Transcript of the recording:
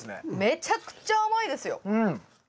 めちゃくちゃ甘いですよ。